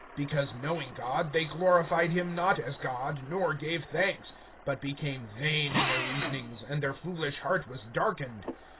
(21)Because, knowing God, they glorified him not as God, nor gave thanks; but became vain in their reasonings, and their foolish heart was darkened.